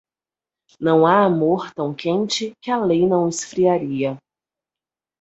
Não há amor tão quente que a lei não esfriaria.